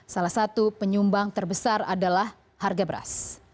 salah satu penyumbang terbesar adalah harga beras